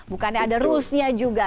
bukannya ada rusnya juga